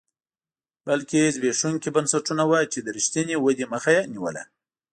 بلکې زبېښونکي بنسټونه وو چې د رښتینې ودې مخه یې نیوله